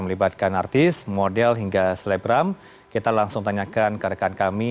melibatkan artis model hingga selebgram kita langsung tanyakan ke rekan kami